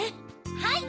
はい！